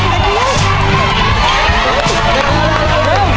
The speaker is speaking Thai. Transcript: เร็วเร็วเร็ว